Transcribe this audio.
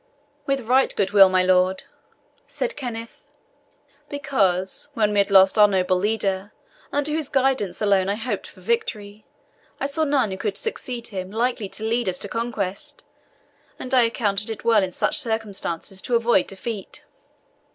"With right good will, my lord," said Kenneth; "because, when we had lost our noble leader, under whose guidance alone I hoped for victory, I saw none who could succeed him likely to lead us to conquest, and I accounted it well in such circumstances to avoid defeat."